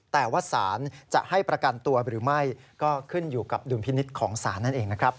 แต่ว่าศาลจะให้ประกันตัวหรือไม่ก็ขึ้นอยู่กับดุลพินิษฐ์ของศาลนั่นเองนะครับ